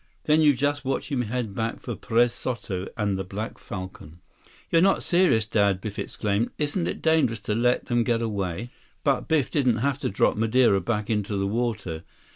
Then you just watch him head back for Perez Soto and the Black Falcon." "You're not serious, Dad!" Biff exclaimed. "Isn't it dangerous to let them get away?" But Biff didn't have to drop Madeira back into the water.